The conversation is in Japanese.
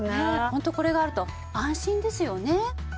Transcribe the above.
ホントこれがあると安心ですよね。